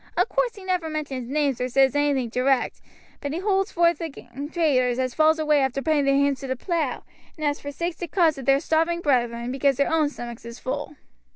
Of course he never mentions names or says anything direct, but he holds forth agin traitors as falls away after putting their hands to the plow, and as forsakes the cause of their starving brethren because their own stomachs is full."